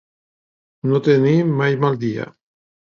No tenir mai mal dia.